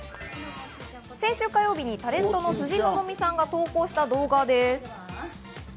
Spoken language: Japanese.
先週火曜日にタレントの辻希美さんが投稿した動画です。